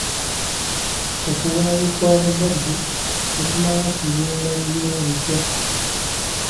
Okuwaayo kw'abazadde tekumala kuzimba bibiina bipya.